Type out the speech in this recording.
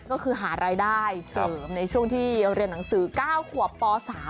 ก็คือหารายได้เสริมในช่วงที่เรียนหนังสือ๙ขวบป๓